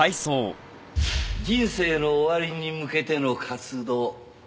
人生の終わりに向けての活動。